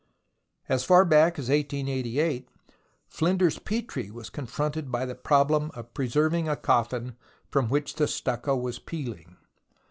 As far back as 1888, Flinders Petrie was con fronted by the problem of preserving a coffin from which the stucco was peeling.